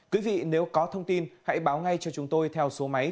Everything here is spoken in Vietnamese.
quý vị nếu có thông tin hãy báo ngay cho chúng tôi theo số máy